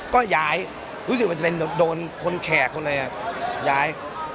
ก็ย้ายรู้สึกมันจะเป็นโดนคนแขกคนอะไรย้าย